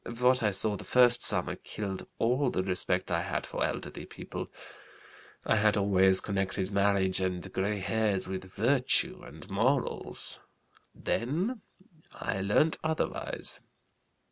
What I saw the first summer killed all the respect I had for elderly people. I had always connected marriage and gray hairs with virtue and morals; then I learnt otherwise.